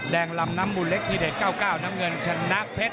ลำน้ำมูลเล็กทีเด็ด๙๙น้ำเงินชนะเพชร